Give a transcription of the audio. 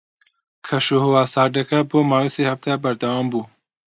کەشوهەوا ساردەکە بۆ ماوەی سێ هەفتە بەردەوام بوو.